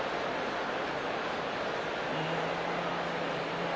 うん。